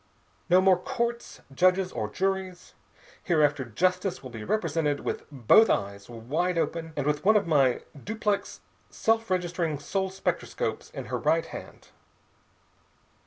"No more courts, judges, or juries. Hereafter justice will be represented with both eyes wide open and with one of my duplex self registering soul spectroscopes in her right hand.